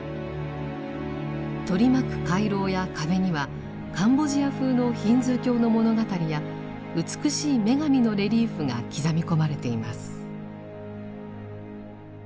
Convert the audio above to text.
取り巻く回廊や壁にはカンボジア風のヒンズー教の物語や美しい女神のレリーフが刻み込まれています。